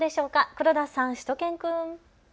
黒田さん、しゅと犬くん。